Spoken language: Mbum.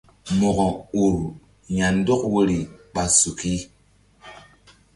Mo̧ko ur ya̧ndɔk woyri ɓa suki.